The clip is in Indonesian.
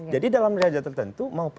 jadi dalam riaja tertentu mau